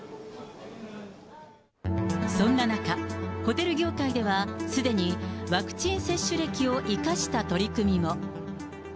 そんな中、ホテル業界ではすでにワクチン接種歴を生かした取り組みも。